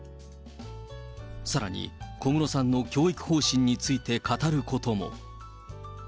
さらに小室さんの教育方針について語ることも。